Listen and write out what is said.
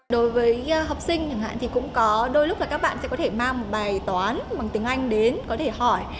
đối với học sinh chẳng hạn thì cũng có đôi lúc là các bạn sẽ có thể mang một bài toán bằng tiếng anh đến có thể hỏi